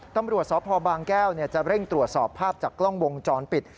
ตำรวจสพบางแก้วจะเร่งตรวจสอบภาพจากกล้องวงจรปิด